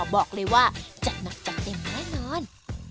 บอกเลยว่าจัดหนักจัดเต็มแน่นอน